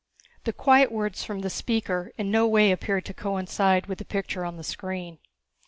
The quiet words from the speaker in no way appeared to coincide with the picture on the screen.